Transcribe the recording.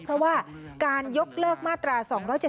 เพราะว่าการยกเลิกมาตรา๒๗๒